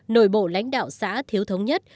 nội bộ lãnh đạo xã thiếu thống nhất